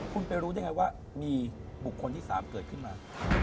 คุณไปรู้ได้ไงว่ามีบุคคลที่๓เกิดขึ้นมา